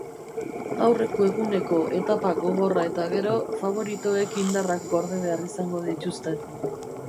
Aurreko eguneko etapa gogorra eta gero faboritoek indarrak gorde behar izango dituzte.